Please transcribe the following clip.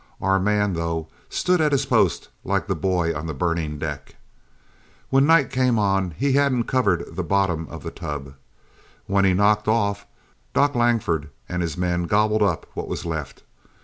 Our man, though, stood at his post like the boy on the burning deck. When night came on, he hadn't covered the bottom of the tub. When he knocked off, Doc Langford and his men gobbled up what was left.